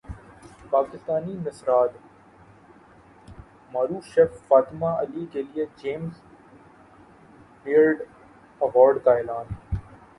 پاکستانی نژاد معروف شیف فاطمہ علی کیلئے جیمز بیئرڈ ایوارڈ کا اعلان